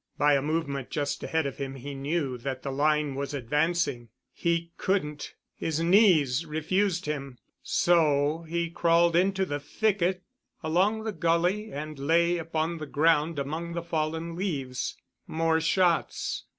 By a movement just ahead of him he knew that the line was advancing. He couldn't ... his knees refused him ... so he crawled into the thicket along the gully and lay upon the ground among the fallen leaves. More shots.